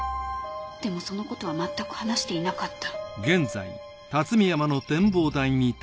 でもそのことはまったく話していなかった